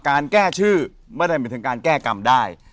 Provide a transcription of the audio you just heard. การแก้ชื่อไม่ได้หมายถึงการแก้กรรมได้